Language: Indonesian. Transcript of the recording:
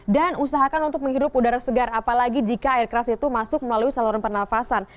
dan usahakan untuk menghirup udara segar apalagi jika air keras itu masuk melalui saluran pernafasan